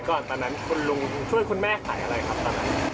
ตอนนั้นคุณลุงช่วยคุณแม่ขายอะไรครับตอนนั้น